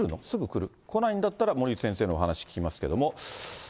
すぐ来る？来ないんだったら、森内先生のお話聞きますけれども。